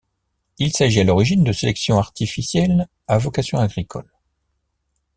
Il s'agit à l'origine de sélection artificielle à vocation agricole.